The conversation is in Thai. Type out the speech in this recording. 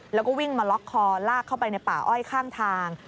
แล้วก็วิ่งมาล็อกคอลากเข้าไปในป่าอ้อยข้างทาง